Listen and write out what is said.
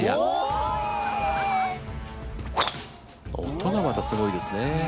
音がまたすごいですね。